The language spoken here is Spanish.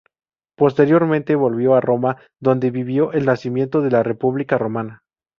Posteriormente volvió a Roma donde vivió el nacimiento de la República Romana.